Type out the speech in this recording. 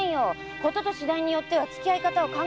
事と次第によってはつきあい方を考えないと。